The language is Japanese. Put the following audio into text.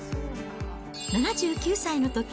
７９歳のとき、